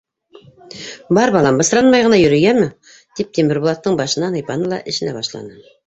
— Бар, балам, бысранмай ғына йөрө, йәме! — тип, Тимербулаттың башынан һыйпаны ла эшенә башланы.